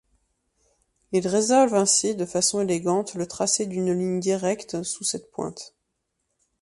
Ils résolvent ainsi de façon élégante le tracé d'une ligne directe sous cette pointe.